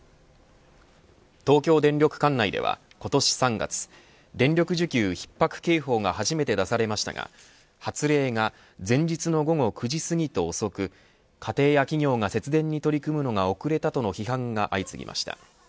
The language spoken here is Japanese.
東京電力管内では今年３月電力需給ひっ迫警報が初めて出されましたが発令が前日の午後９時すぎと遅く家庭や企業が節電に取り組むのが遅れたとの批判が相次ぎました。